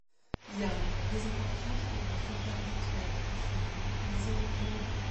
Ja, wir sind auch zuständig für Stabilität und Frieden in dieser Region.